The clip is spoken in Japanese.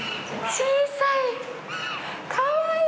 小さい！